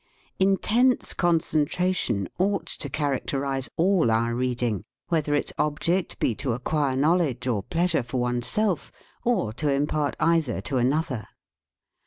Intense concentration ought to characterize all our reading, whether its object be to acquire knowledge or pleasure for one's self, or to impart either to another.